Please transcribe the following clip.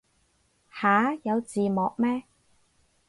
吓有字幕咩